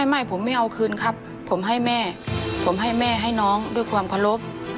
ไม่ผมไม่เอาคืนครับผมให้แม่ให้น้องด้วยความขอรบ